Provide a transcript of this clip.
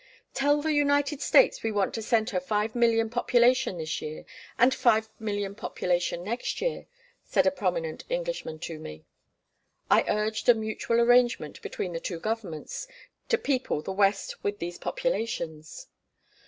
"Tell the United States we want to send her five million population this year, and five million population next year," said a prominent Englishman to me. I urged a mutual arrangement between the two governments, to people the West with these populations.